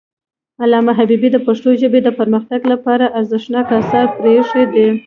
علامه حبيبي د پښتو ژبې د پرمختګ لپاره ارزښتناک آثار پریښي دي.